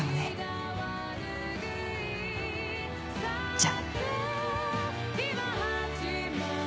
じゃ。